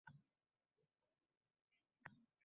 Ko’rinmisan, Gaplashmaganimizgayam ancha bo’pti a?